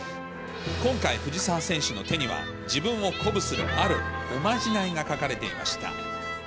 今回、藤澤選手の手には、自分を鼓舞するあるおまじないが書かれていました。